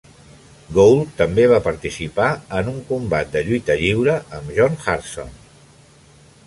Gould també va participar en un combat de lluita lliure amb John Hartson.